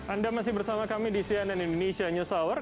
anda masih bersama kami di cnn indonesia news hour